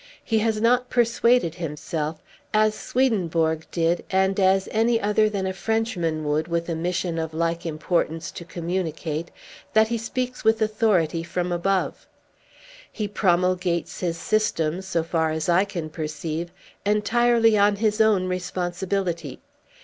He has not persuaded himself as Swedenborg did, and as any other than a Frenchman would, with a mission of like importance to communicate that he speaks with authority from above. He promulgates his system, so far as I can perceive, entirely on his own responsibility.